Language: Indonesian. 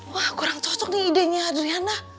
wah kurang cocok nih idenya adriana